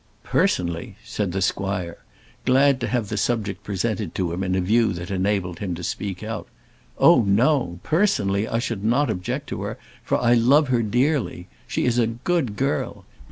"Personally!" said the squire, glad to have the subject presented to him in a view that enabled him to speak out. "Oh, no; personally, I should not object to her, for I love her dearly. She is a good girl.